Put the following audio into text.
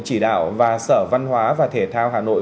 chỉ đạo và sở văn hóa và thể thao hà nội